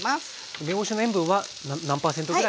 梅干しの塩分は何％ぐらい。